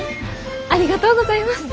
ありがとうございます！